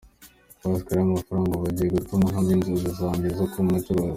Pascal : “Ariya mafaranga ubu agiye gutuma nkabya inzozi zanjye zo kuba umucuruzi.